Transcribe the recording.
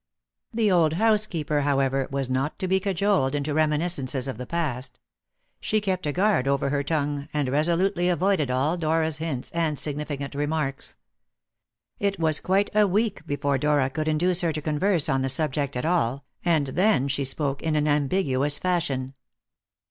The old housekeeper, however, was not to be cajoled into reminiscences of the past. She kept a guard over her tongue, and resolutely avoided all Dora's hints and significant remarks. It was quite a week before Dora could induce her to converse on the subject at all, and then she spoke in an ambiguous fashion.